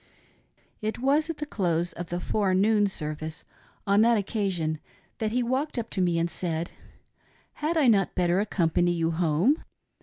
It was at the close of the forenoon service on that occasion that he walked up to me and saiA " Had I not better accompany you home."